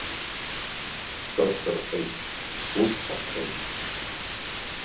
Кыр сырҟьеит, сус саԥҟьеит.